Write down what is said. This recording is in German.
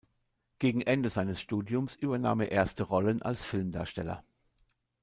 Gegen Ende seines Studiums übernahm er erste Rollen als Filmdarsteller.